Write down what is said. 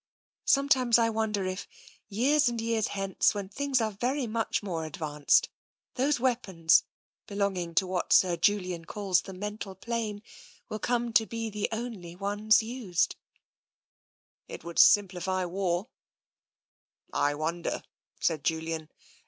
" Sometimes I wonder if, years and years hence, when things are very much ii TENSION lOS more advanced, those weapons, belonging to what Sir Julian called the mental plane, will come to be the only ones used/' " It would simplify war/' " I wonder," said Julian.